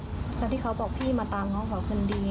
แล้วที่เขาบอกพี่มาตามเขาเขาขอขึ้นดี